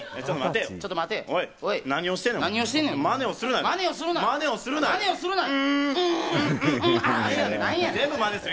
ちょっと待てよ。